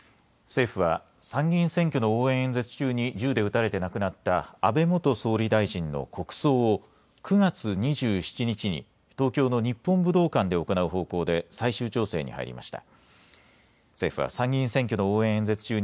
政府は参議院選挙の応援演説中に銃で撃たれて亡くなった安倍元総理大臣の国葬を９月２７日に東京の日本武道館で行う方向で最終調整に入りました。